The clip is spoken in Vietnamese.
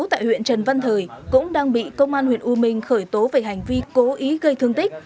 cơ quan cảnh sát điều tra công an huyện u minh đã có hành vi dùng hung khí